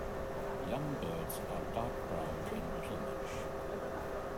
Young birds are dark brown in plumage.